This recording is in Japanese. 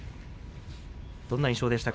どんな印象でしたか？